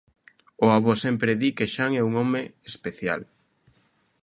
O avó sempre di que Xan é un home especial.